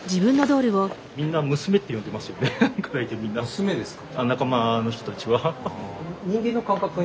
「娘」ですか？